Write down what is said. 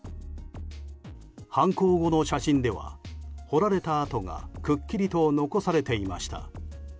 犯行後の写真では掘られた跡がくっきりと残されていました。